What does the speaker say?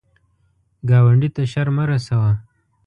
ګاونډي ته شر مه رسوه